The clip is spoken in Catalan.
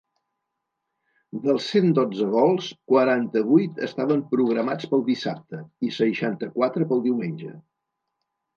Dels cent dotze vols, quaranta-vuit estaven programats pel dissabte i seixanta-quatre pel diumenge.